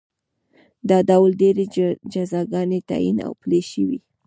دا ډول ډېرې جزاګانې تعین او پلې شوې.